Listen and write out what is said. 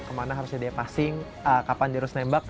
kemana harusnya dia passing kapan dia harus nembak